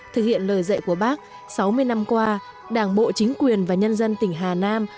thực hiện lời dạy của bác sáu mươi năm qua đảng bộ chính quyền và nhân dân tỉnh hà nam